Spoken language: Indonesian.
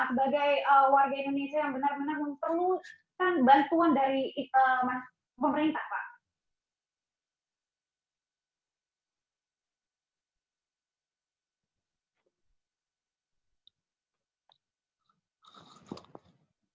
sebagai warga indonesia yang benar benar memperlukan bantuan dari pemerintah pak